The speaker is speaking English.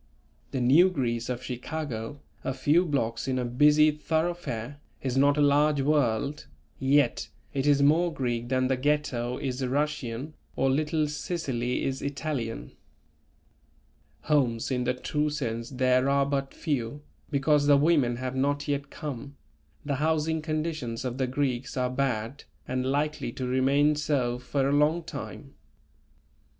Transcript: The New Greece of Chicago, a few blocks in a busy thoroughfare, is not a large world, yet it is more Greek than the Ghetto is Russian or Little Sicily is Italian. Homes in the true sense there are but few, because the women have not yet come; the housing conditions of the Greeks are bad and likely to remain so for a long time.